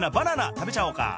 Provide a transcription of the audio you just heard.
食べちゃおうか。